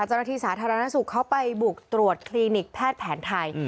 เจ้าหน้าที่สาธารณสุกเข้าไปบุกตรวจคลีนิกภาทแผนไทย